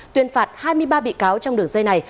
tuyên phạt hai mươi ba bị cáo trong đường dây này